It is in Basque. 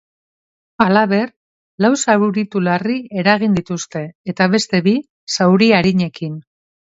Halaber, lau zauritu larri eragin dituzte, eta beste bi zauri arinekin.